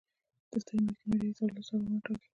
د سترې محکمې رئیس او لوی څارنوال ټاکي.